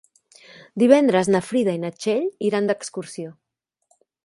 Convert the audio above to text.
Divendres na Frida i na Txell iran d'excursió.